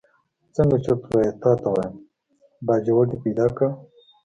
څنګه چرت وهې تا ته وایم، باجوړ دې پیدا کړ.